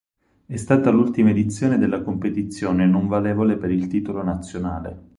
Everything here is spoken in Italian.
È stata l'ultima edizione della competizione non valevole per il titolo nazionale.